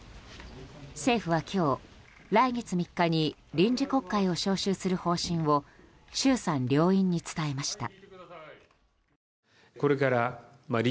政府は今日、来月３日に臨時国会を召集する方針を衆参両院に伝えました。